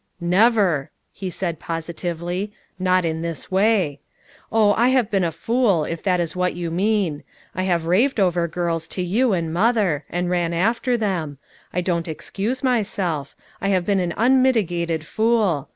"Never," he said positively. "Not in this way. Oh, I have been a fool, if that is what you mean. I have raved over girls to you and Mother, and ran after them; I don't excuse my self; I have been an unmitigated fool!